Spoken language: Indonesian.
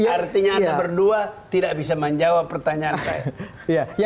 artinya anda berdua tidak bisa menjawab pertanyaan saya